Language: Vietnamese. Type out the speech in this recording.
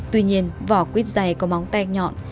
tuy nhiên vỏ quyết giày có móng tay nhọn